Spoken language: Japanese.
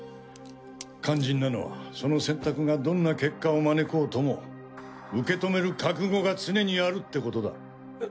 肝心なのはその選択がどんな結果を招こうとも受け止める覚悟が常にあるってことだ。